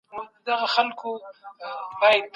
د وروسته پاته هیوادونو ستونزي ورته دي.